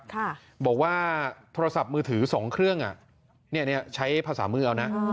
ค่ะบอกว่าโทรศัพท์มือถือสองเครื่องอ่ะเนี่ยใช้ภาษามือเอานะ